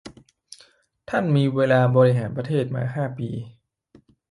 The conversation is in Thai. ท่านมีเวลาบริหารประเทศมา ห้า ปี